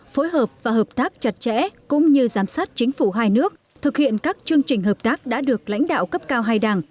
phối hợp và hợp tác chặt chẽ cũng như giám sát chính phủ hai nước thực hiện các chương trình hợp tác đã được lãnh đạo cấp cao hai đảng